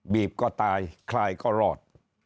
บีบก็ตายคลายก็รอด